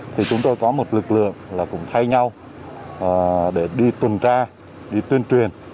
thì chúng tôi có một lực lượng là cũng thay nhau để đi tuần tra đi tuyên truyền